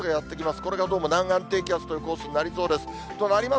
これがどうも南岸低気圧というコースになりそうです。